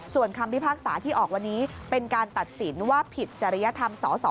ส่วนคำพิพากษาที่ออกวันนี้เป็นการตัดสินว่าผิดจริยธรรมสส